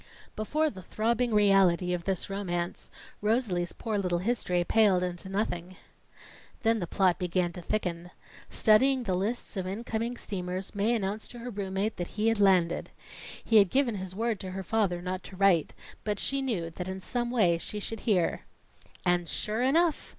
Before the throbbing reality of this romance, Rosalie's poor little history paled into nothing. Then the plot began to thicken. Studying the lists of incoming steamers, Mae announced to her room mate that he had landed. He had given his word to her father not to write; but she knew that in some way she should hear. And sure enough!